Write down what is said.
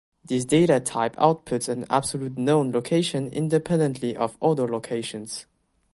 This data type outputs an absolute known location independently of other locations.